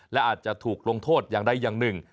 และอาจจะถูกลงโทษอย่างใดอย่างหนึ่ง